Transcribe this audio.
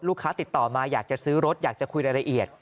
ติดต่อมาอยากจะซื้อรถอยากจะคุยรายละเอียด